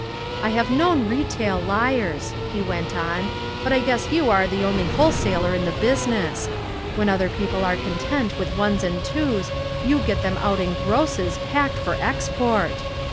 "I have known retail liars," he went on. "But I guess you are the only wholesaler in the business. When other people are content with ones and twos, you get them out in grosses, packed for export!"